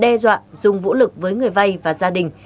để đe dọa dùng vũ lực với người vai và gia đình